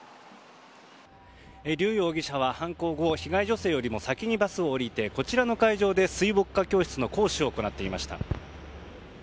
リュウ容疑者は犯行後、被害女性より先にバスを降りて、こちらの会場で水墨画教室の事件